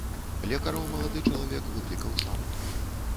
Лекараў малады чалавек выклікаў сам.